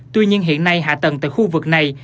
tuy nhiên hiện nay hạ tầng tại khu vực này